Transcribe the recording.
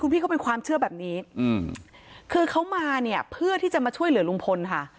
พี่เขาเป็นความเชื่อแบบนี้คือเขามาเนี่ยเพื่อที่จะมาช่วยเหลือลุงพลค่ะ